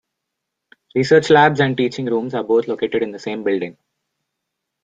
Research Labs and teaching rooms are both located in the same building.